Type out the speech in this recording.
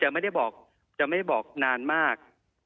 จะไม่ได้บอกนานมาก